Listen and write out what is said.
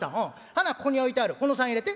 「はなここに置いてあるこの３円入れて」。